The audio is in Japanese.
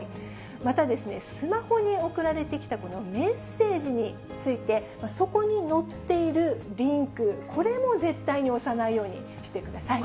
また、スマホに送られてきた、このメッセージについて、そこに載っているリンク、これも絶対に押さないようにしてください。